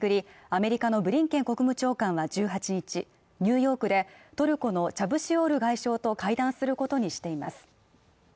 アメリカのブリンケン国務長官は１８日、ニューヨークでトルコのチャブシオール外相と会談することにしています。